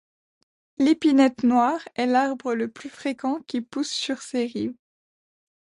L'épinette noire est l'arbre le plus fréquent qui pousse sur ses rives.